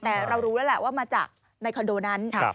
แต่เรารู้แล้วแหละว่ามาจากในคอนโดนั้น